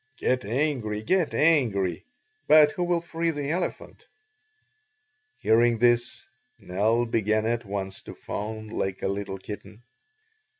"Get angry, get angry, but who will free the elephant?" Hearing this, Nell began at once to fawn like a little kitten.